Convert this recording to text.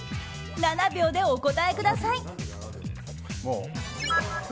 ７秒でお答えください。